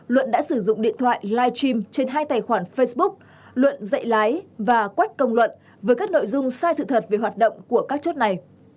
luận đã sử dụng điện thoại live stream trên hai tài khoản facebook luận dạy lái và quách công luận với các nội dung sai sự thật về hoạt động của các chốt này